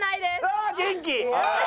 ああ元気。